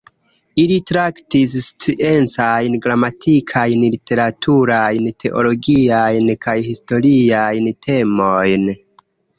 Ili traktis sciencajn, gramatikajn, literaturajn, teologiajn kaj historiajn temojn.